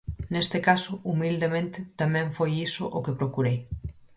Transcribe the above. Neste caso, humildemente, tamén foi iso o que procurei.